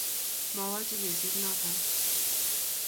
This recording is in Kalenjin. mawalchi kesit neton